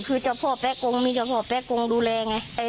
คือเจ้าพ่อแป๊กงดูแลไง